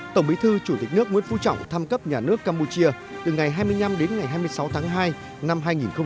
tổng bí thư chủ tịch nước nguyễn phú trọng thăm cấp nhà nước campuchia từ ngày hai mươi năm đến ngày hai mươi sáu tháng hai năm hai nghìn một mươi chín